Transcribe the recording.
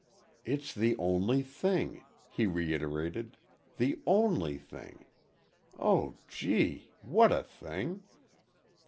"It's the only thing," he reiterated, "the only thing. Oh, gee! what a thing!"